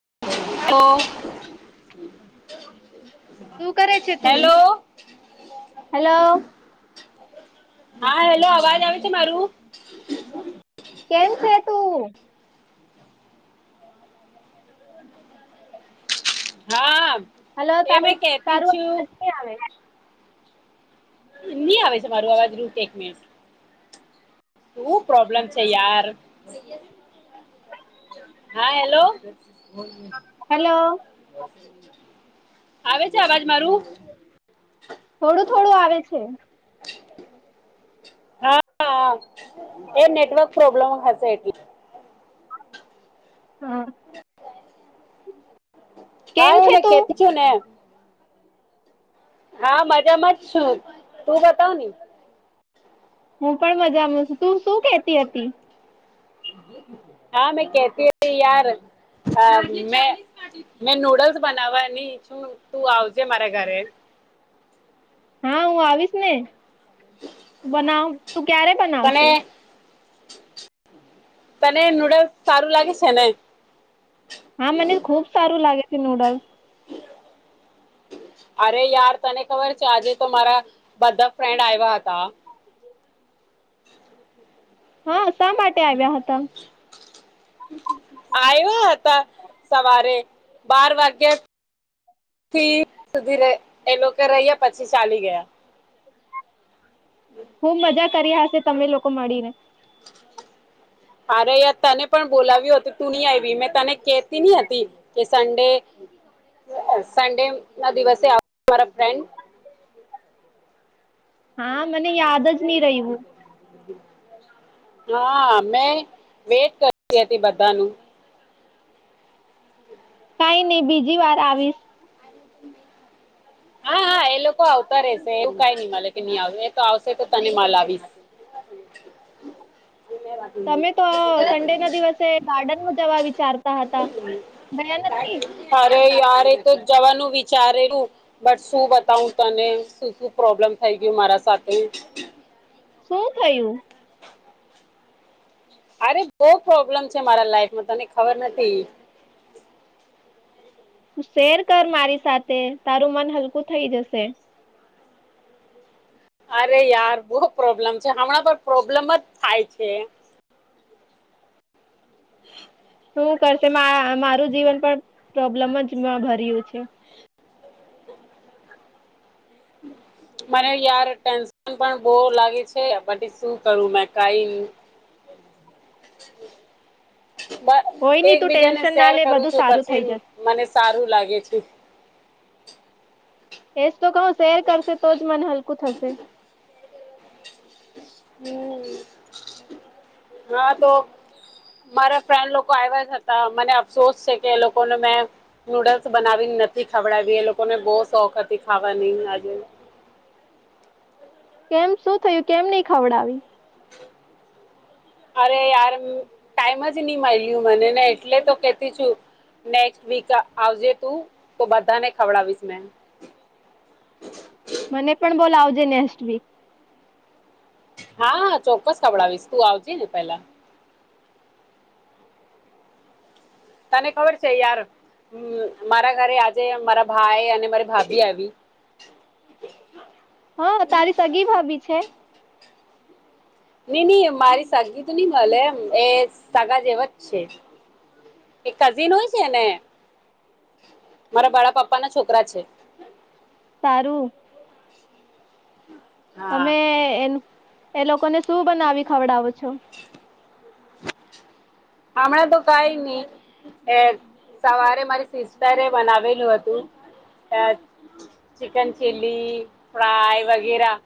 તો. [inaudible] શું કરે છે તું હેલો. હા હેલો અવાજ આવે છે મારું. કેમ છે તું. હા. હલો એ તારું મેં કહેતી તારું અવાજ છું નથી આવે. ની આવે છે તમારુ અવાજ રૂક એક મિનિટ. હુ પ્રોબ્લેમ છે યાર. હા હેલો. હેલો આવે છે અવાજ મારું? થોડું થોડું આવે છે. [inaudible] હલો, એ નેટવર્ક પ્રોબ્લેમ હશે એટલે. હા. કેમ હા, છે એને તું? કેતિ છુંને. હા, મજામાં જ છું. તું બતાવ ને? હું પણ મજામાં છું. તું શું કેતી હતી? હા, મેં કેતી હતી યાર અહ મેં મેં નુડલ્સ બનાવવાની છું તું આવજે મારા ઘરે. હા, હું આવીશ ને. બનાવ, તું ક્યારે તને બનાવશે? તને નૂડલ્સ સારું લાગે છે ને? હા, મને ખુબ સારું લાગે છે નૂડલ્સ. અરે યાર તને ખબર છે આજે તો મારા બધા ફ્રેન્ડ આવ્યા હતા. [inaudible] હા. શા માટે આવ્યા હતા? આવ્યા હતા સવારે બાર વાગ્યાથી સુધી રેહ એ લોકો રહ્યા પછી ચાલી ગયા. ખુબ મજા કરી હશે તમે લોકો મળીને? અરે યાર તને પણ બોલાવ્યો હતું તું નહી આવી મેં તને કેતી ની હતી કે સન્ડે અહ સન્ડે ના દિવસે આવ્યા મારા ફ્રેન્ડ. હા, મને યાદ જ નહી રહ્યું. હા મેં વેટ કરતી હતી બધાનું. કઈ નઈ બીજી વાર આવીશ. હા હા એ લોકો આવતા રેશે એવું કઈ નઈ મળે કે નહી આવશે એ તો આવશે તો તને મળાવીસ. તમે તો સન્ડે ના દિવસે ગાર્ડનમાં જવા વિચારતા હતા, ગયા નથી? અરે યાર એ તો જવાનું વિચારેલું. બટ શું બતાવું તને શું શું પ્રોબ્લેમ થઈ ગયું મારા સાથે. શું થયું? અરે બહ પ્રોબ્લેમ છે મારા લાઈફમાં તને ખબર નથી. તું શેર કર મારી સાથે તારું મન હલકું થઇ જશે. અરે યાર બહુ પ્રોબ્લેમ છે હમણાં તો પ્રોબ્લેમ જ થાય છે. હમ [inaudible] શું કરશે મા મારું જીવન પણ પ્રોબ્લેમ જ ભર્યું છે. મને યાર ટેન્શન પણ બહ લાગે છે પછી શું કરું મે કઈ. કોઈ નહી તું એકબીજાને ટેન્શન ના શેર લે કરું બધું છું સારું પછી થઈ જશે. મને સારું લાગે છે. [inaudible] એસ [unintelligible] તો કહ શેર કરશે તો જ મને હલકું થશે. હમ હા તો મારા ફ્રેન્ડ લોકો આવ્યા જ હતા મને અફસોસ છે કે એ લોકોને મેં નૂડલ્સ બનાવી નથી ખવડાવી, એ લોકોને બહ શોખ હતી ખાવાની આજે. કેમ શું થયું કેમ નહી ખવડાવી? અરે યાર ટાઈમ જ નહી મળ્યું મનેને એટલે તો કેતી છું, નેઝ્ટ વીક આવજે તું તો બધાને ખવડાવીશ મે. મને પણ બોલ આવજે નેસ્ટ વીક. હા હા ચોક્કસ ખવડાવીશ તું આવજે ને પેલા. તને ખબર છે યાર મારા ઘરે આજે, મારા ભાઈ અને મારી ભાભી આવી. હા તારી સગી ભાભી છે? નઈ નહી મારી સાદગી તો નઈ મળે એમ એ સાગા જેવા જ છે, એક કઝિન હોય છે, ને મારા બાળપપ્પા ના છોકરા છે. સારું. હમ [inaudible] તમે એનું એ લોકોને શું બનાવી ખવડાવો છો? હમણાં તો કઈ નહી, સવારે મારી સિસ્ટરે બનાવેલું હતું ચિકન ચીલી, ફ્રાય વગેરા.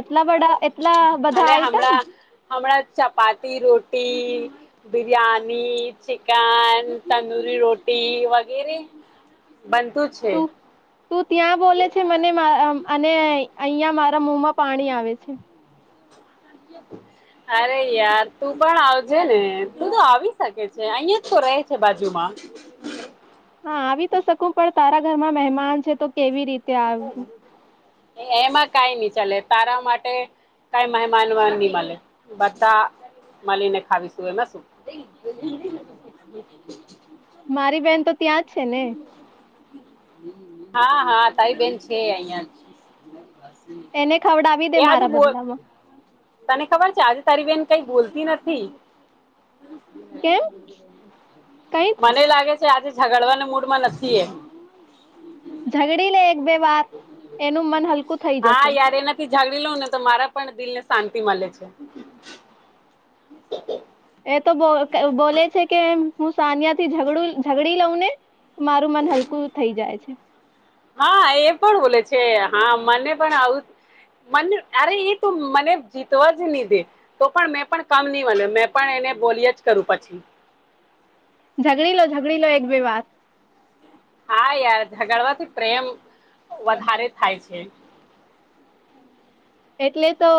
એટલા બધા એટલા બધા અનેણા આઈટમ હણા ચપાતી રોટી બિરયાની, ચિકન, તંદુરી રોટી, વગેરે. બનતું છે. તું તું ત્યાં બોલે છે મને અને અહિયાં મારા મુમાં પાણી આવે છે. અરે યાર તું પણ આવજે ને તું તો આવી શકે છે અહિયાં જ તો ર છે બાજુમાં. હા આવી તો શકું પણ તારા ઘરમાં મહેમાન છે તો કેવી રીતે? આવું એમાં કઈની. ચલે તારા માટે કઈ મહેમાન નહી મળે, બધા મળીને ખાવીશું એમાં શું. મારી બેહેન તો ત્યાં જ છે ને. હા હા તારી બેેન છે અહિયાં જ. એને ખવડાવી દે મારા બદલામાં. તને ખબર છે આજે તારી બેન કઈ બોલતી નથી. કેમ કઈ? મને લાગે આજે ઝગડવાના મૂડમાં નથી એ. ઝગડી લે. બે વાર, એનું મન હલકું થઇ જશે. જાગડી લઉં ને તો મારા પણ દિલ ને શાંતિ મળે છે. એ તો બોલે છે કે હું સાનિયા થી ઝઘડું ઝડી લઉ ને. મારું મન હલકું થઈ જાય છે. હા એ પણ બોલે છે હા મને પણ આવું, મને અરે એ તો મને જીતવા જ નહી દે, તો પણ મેં પણ કમ નહી મળે બને મેં પણ એને બોલી જ કરું પછી. ઝઘડી લો ઝગડી લો એક બે વાર. ય ઝગડવાથી પ્રેમ વધારે થાય છે. એટલે તો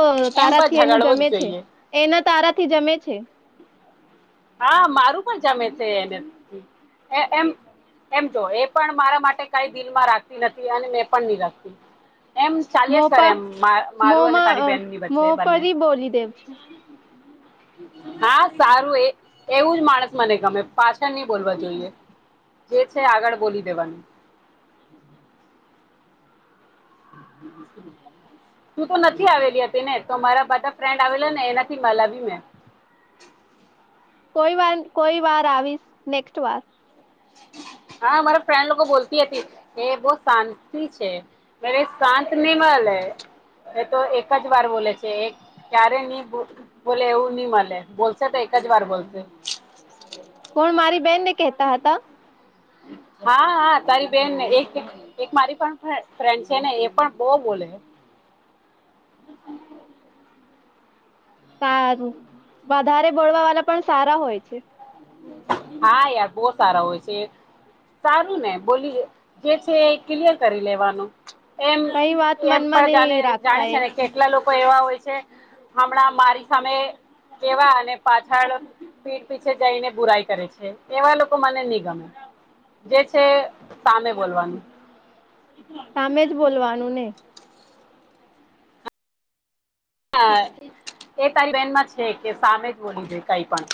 એમ પણ તારાથી એનું ઝઘડવું જ જમે છે, જોઈએ એના તારા થી જમે છે. હા મારું પણ જમે છે એનેમ એમ, જો એ પણ મારા માટે કઈ દિલમાં રાખતી નથી અને મેં પણ નહી રાખતી. એમ ચાલ્યા જ કરે મોપા એમ મારું અને તારી મોમાં બેહેનની વચ્ચે બંને મોપરી બોલી દેવ છે. હા સારું એ એવું જ માણસ મને ગમે પાછળ નહી બોલવા જોઈએ, જે છે આગળ બોલી દેવાનું. તું તો નથી આવેલી હતી ને તો મારા બધા ફ્રેન્ડ આવેલા ને એનાથી મળલા બી મે. કોઈ વાર કોઈ વાર આવીશ નેક્સ્ટ વાર. હા મારા ફ્રેન્ડ લોકો બોલતી હતી, એ બહ શાંતિ છે, એ શાંત નહી મળે, એ તો એક જ વાર બોલે છે એ ક્યારે નહી બોલે એવું નહી મળે બોલશે તો એક જ વાર બોલશે. કોણ મારી બેન ને કેતા હતા? હા હા તારી બેન, એક મારી પણ ફ્રેન્ડ છે ને એ પણ બહ બોલે. હ [inaudible] સારું, વધારે બોલવા વાળા પણ સારા હોય છે. હા યાર બહ સારા હોય છે, સારું ને બોલી જે છે ક્લિયર કરી લેવાનું. એમ કઈ વાત એમ મનમાં પણ જાને નહી જાણે રાખતા છે એ ને કેટલા લોકો એવા હોય છે આપણા, મારી સામે એવા અને પાછળ પીઠ પીછે જઈને બુરાઈ કરે છે એવા લોકો મને ન ગમે જે છે સામે બોલવાનું. સામે જ બોલવાનું ને. હા એ તારી બેહેનમાં છે કે સામે જ બોલી જોઈ કઈ પણ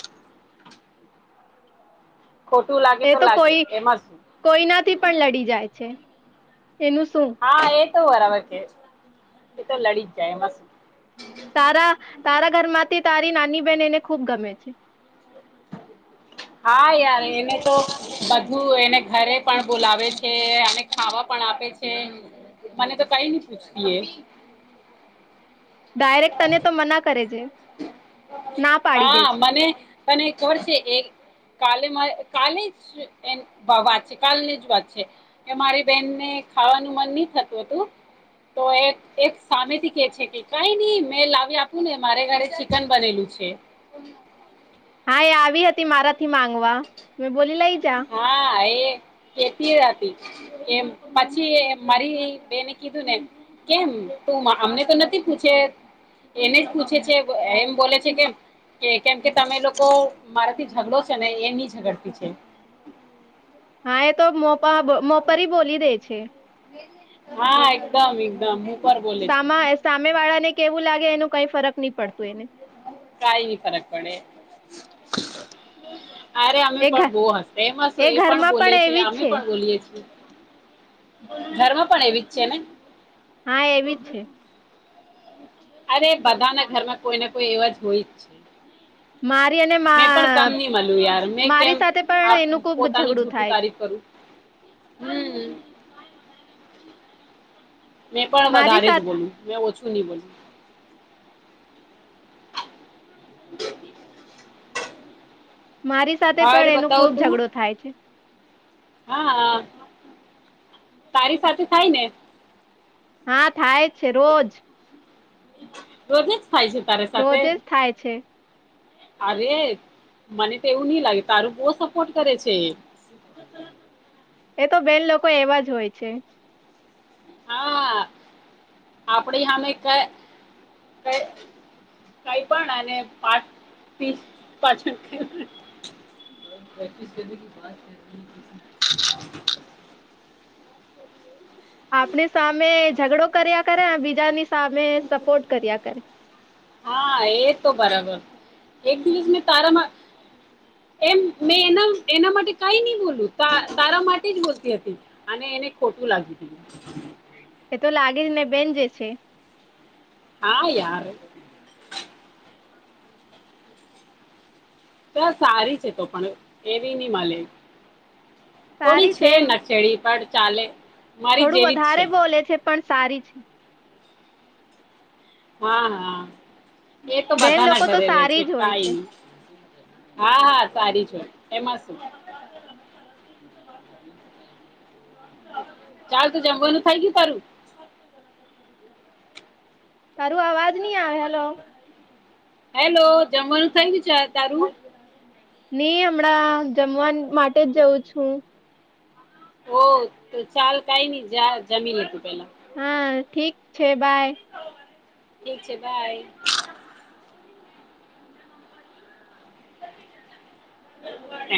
ખોટું લાગે એ તો લાગે કોઈ એમાં શું કોઈનાથી પણ લડી જાય છે. એનું શું. હા એ બરાબર કે એ તો લડી જ જાય બસ. તારા તારા ઘર માંથી તારી નાની બેહેન એને ખુબ ગમે છે. હા યાર એને તો બધું એને ઘરે પણ બોલાવે છે અને ખાવા પણ આપે છે મને તો કઈ ન પૂછતી એ ડાયરેક્ટ તને તો મના કરે છે. ના પાડી દે હા છે મને મને ખબર છે એ કાલે કાલે જ વાત છે કાલની જ વાત છે કે મારી બેહેનને ખાવાનું મન નહી થતું હતું તો એક સામેથી કે છે કે કઈ નઈ મેં લાવી આપું ને મારે. રે ચિકન બનેલું છે. હા એ આવી હતી મારા થી માંગ. વા મે બોલી લઈ જા. હા એ હતી એમ પછી મારી બેને કીધું ને કેમ તું અમને તો નથી પૂછે એને જ પૂછે છે એમ બોલે છે કેમ કે કેમ કે તમે લોકો મારાથી ઝઘડો છેો ને એ. જગડતી છે. હા એ તો મોપ મોપર બોલી દે છે. હા એકદમ એકદમ. પર બોલે છે સામા સામે વાળા ને કેવું લાગે એનું. કઈ ફરક નહી પડતું એને કઈ નહી ફરક પડે ધ. અરે અમે એ ઘ પણ બો હસ્તે હસ એ પણ બોલી છે અમે પણ બોલીએ છીએ. ઘરમાં પણ એવી જ છે ને હા એવીજ છે. અરે બધાના ઘરમાં કોઈને કોઈ એવા જ હોય જ છે. મારી અને મેં પણ કમ મા ન મળ્યું યાર મેં કેમ મારી સાથે પણ એનું ખુબ પોતાનું ઝઘડું જૂઠું થાય છે તારીફ કરું હમ. મેં પણ મારી વધારે જ સાથે બોલ્યું મેં ઓછું. શન બલ. બ. મારી સાથે ઓર પણ એનો બતાવ ખુબ તું ઝઘડો થાય છે. હા હા તારી સાથે થાય ને. હા થાય જ છે રોજ. બોરને થાય છે તારે સાથે રોજ જ થાય છે અરે મને તો એવું નઈ લાગે તારું બહ સપોર્ટ કરે છે. એ તો બેન લોકો એવા જ હોય છે. હા આપડી સામે ક કઈ પણ, અને પાચ્રીસ પાછ આપણી સામે ઝઘડો કર્યા કર્યા બીજા બજાની સામે સપોર્ટ કર્યા કરે. હા એ તો બરાબર, એક દિવસ મે તારામાં એમ મે એના એના માટે કઈ નહી બોલું તારા માટે જ બોલતી હતી, અને ખોટું લાગી ગયું. એ તો લાગે જ ને બેન જ છે. હા યાર. તો સારી છે તો પણ, એવી નહી મળે. થોડી છે નચેડી પણ ચાલે મારી જેવી જ છે. અછ [inaudible] હા હા. એ તો બેન બધા ના લોકો તો ઘરે રે છે સારી જ હોય કાઈમ. હા હા સારી છે, એમાં શું. ચાલ તું જમવાનું થઇ ગયું તારું? તારું અવાજ નહી આવે, હેલો. હેલો, જમવાનું થઈ ગયું છે તારું? નહી હમણાં જમવાન માટે જ જાઉં છું. ઓ તો ચાલ કઈ નહી જા જમી લે તું પેલા. હા, ઠીક છે બાય. ઠીક છે ભાઈ. એ.